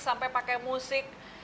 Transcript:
sampai pakai musik